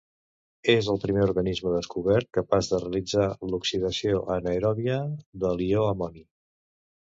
És el primer organisme descobert capaç de realitzar l'oxidació anaeròbia de l'ió amoni.